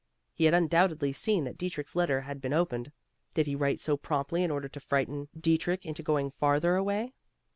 He had undoubtedly seen that Dietrich's letter had been opened. Did he write so promptly in order to frighten Dietrich into going farther away?